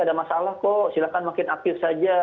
ada masalah kok silahkan makin aktif saja